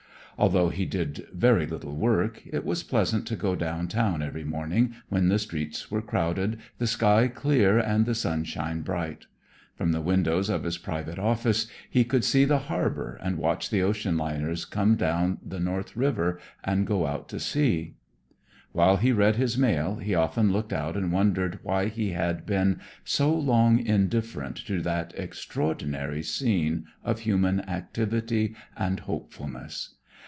Although he did very little work, it was pleasant to go down town every morning when the streets were crowded, the sky clear, and the sunshine bright. From the windows of his private office he could see the harbor and watch the ocean liners come down the North River and go out to sea. While he read his mail, he often looked out and wondered why he had been so long indifferent to that extraordinary scene of human activity and hopefulness.